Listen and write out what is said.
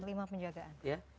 oke lima penjagaan